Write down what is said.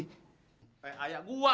eh ayah gua